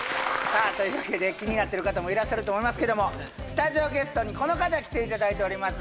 さあというわけで気になってる方もいらっしゃると思いますけどもスタジオゲストにこの方来ていただいております